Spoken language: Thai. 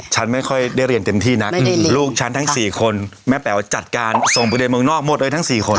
ฉันไม่ค่อยได้เรียนเต็มที่นักลูกฉันทั้ง๔คนแม่แป๋วจัดการส่งไปเรียนเมืองนอกหมดเลยทั้ง๔คน